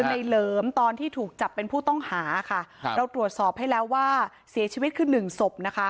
ในเหลิมตอนที่ถูกจับเป็นผู้ต้องหาค่ะครับเราตรวจสอบให้แล้วว่าเสียชีวิตคือหนึ่งศพนะคะ